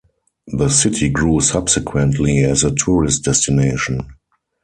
The city grew subsequently as a tourist destination.